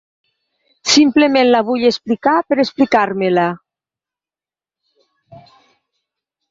Simplement la vull explicar per explicar-me-la.